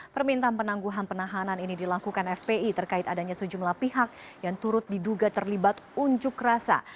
permintaan penangguhan penahanan ini dilakukan fpi terkait adanya sejumlah pihak yang turut diduga terlibat unjuk rasa